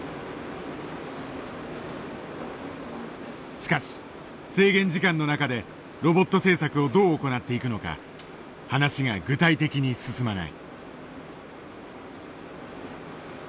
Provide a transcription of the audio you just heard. しかし制限時間の中でロボット製作をどう行っていくのか話が具体的に進まない。